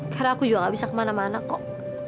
karena aku juga gak bisa kemana mana kok